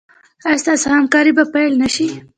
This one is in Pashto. ایا ستاسو همکاري به پیل نه شي؟